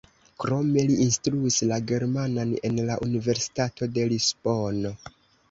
Krome li instruis la germanan en la Universitato de Lisbono.